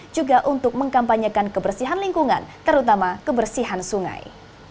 juga untuk mengkampanyekan kebersihan lingkungan terutama kebersihan sungai